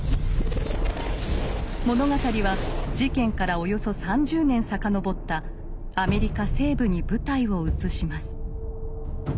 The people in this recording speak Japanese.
物語は事件からおよそ３０年遡ったアメリカ西部に舞台を移します。